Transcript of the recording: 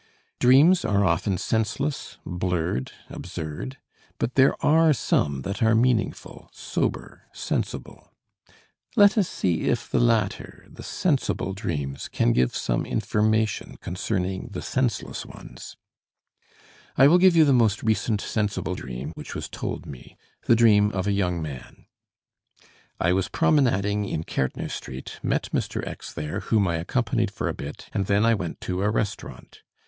Dreams are often senseless, blurred, absurd; but there are some that are meaningful, sober, sensible. Let us see if the latter, the sensible dreams, can give some information concerning the senseless ones. I will give you the most recent sensible dream which was told me, the dream of a young man: "I was promenading in Kärtner Street, met Mr. X. there, whom I accompanied for a bit, and then I went to a restaurant.